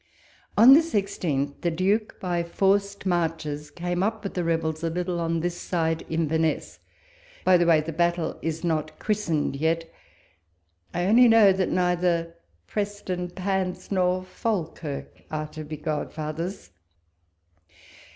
On the 16th, the Duke, by forced marches, came up with the rebels, a little on this side Inverness — by the way, the battle is not christened yet ; I only know that neither Pres tonpans nor Falkirk are to be godfathers.